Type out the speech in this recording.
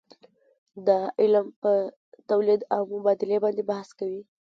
دا علم په تولید او مبادلې باندې بحث کوي.